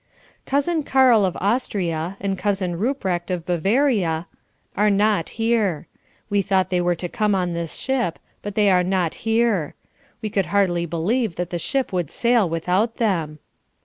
Cousin Karl of Austria, and Cousin Ruprecht of Bavaria, are not here. We thought they were to come on this ship, but they are not here. We could hardly believe that the ship would sail without them.